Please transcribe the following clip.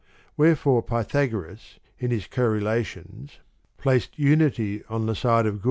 Wherefore Pythagoras in his Correlations ' placed unity on the side of I